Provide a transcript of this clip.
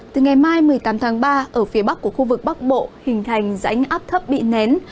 từ ngày mai một mươi tám tháng ba ở phía bắc của khu vực bắc bộ hình thành rãnh áp thấp bị nén